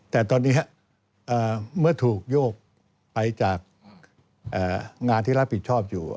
แต่ตอนนี้เมื่อถูกโยกไปจากงานที่รับผิดชอบอยู่